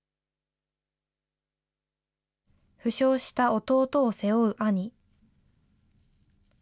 負傷した弟を背負う兄。